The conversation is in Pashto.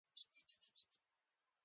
هغه د ښه شعر په انتخاب کې ډېر دقیق دی